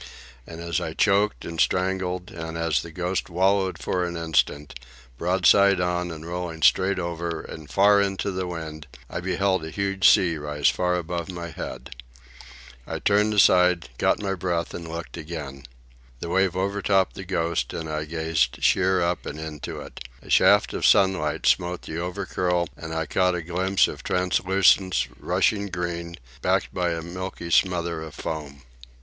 And as I choked and strangled, and as the Ghost wallowed for an instant, broadside on and rolling straight over and far into the wind, I beheld a huge sea rise far above my head. I turned aside, caught my breath, and looked again. The wave over topped the Ghost, and I gazed sheer up and into it. A shaft of sunlight smote the over curl, and I caught a glimpse of translucent, rushing green, backed by a milky smother of foam.